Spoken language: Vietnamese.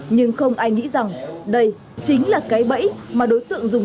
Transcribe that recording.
nhưng không ai nghĩ rằng đây chính là cái bẫy mà đối tượng dùng